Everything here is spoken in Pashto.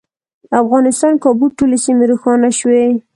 د افغانستان کابو ټولې سیمې روښانه شوې.